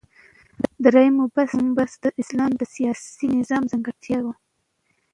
دریم مبحث : د اسلام د سیاسی نظام ځانګړتیاوی